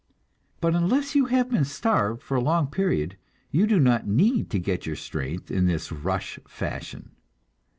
But unless you have been starved for a long period you do not need to get your strength in this rush fashion.